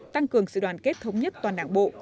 tăng cường sự đoàn kết thống nhất toàn đảng bộ